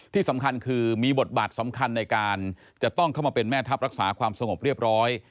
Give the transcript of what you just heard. ที่สำคัญคือมีบทบาทสำคัญในการจะต้องเข้ามาเป็นแม่ทัพรักษาความสงบเรียบร้อย